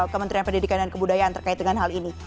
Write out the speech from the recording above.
kementerian pendidikan dan kebudayaan terkait dengan hal ini